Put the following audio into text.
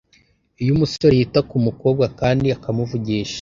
Iyo umusore yita ku mukobwa kandi akamuvugisha